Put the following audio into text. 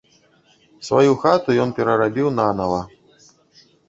Сваю хату ён перарабіў нанава.